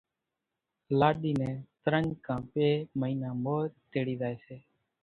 لاڏي نين ترڃ ڪان ٻي مئينا مور تيڙي زائي سي